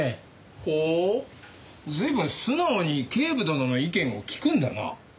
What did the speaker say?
ほう随分素直に警部殿の意見を聞くんだな。